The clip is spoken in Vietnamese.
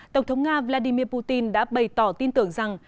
tổng thống nga vladimir putin đã bày tỏ tin tưởng rằng